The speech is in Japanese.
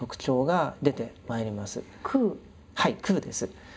はい空です。